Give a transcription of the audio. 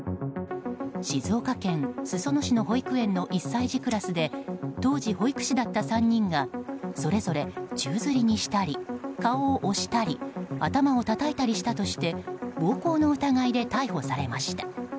静岡県裾野市の保育園の１歳児クラスで当時保育士だった３人がそれぞれ宙づりにしたり顔を押したり頭をたたいたりしたとして暴行の疑いで逮捕されました。